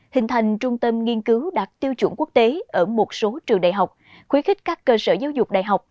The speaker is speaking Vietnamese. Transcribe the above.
hình thành trung tâm nghiên cứu đạt tiêu chuẩn quốc tế ở một số trường đại học khuyến khích các cơ sở giáo dục đại học